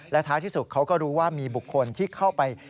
และท้ายที่สุดเขาก็รู้ว่ามีบุคคลที่เข้าไป